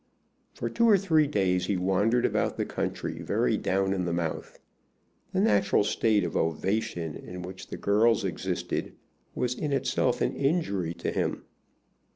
For two or three days he wandered about the country very down in the mouth. The natural state of ovation in which the girls existed was in itself an injury to him.